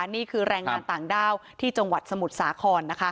นี่คือแรงงานต่างด้าวที่จังหวัดสมุทรสาครนะคะ